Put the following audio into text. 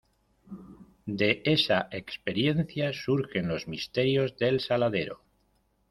De esa experiencia surgen Los misterios del Saladero.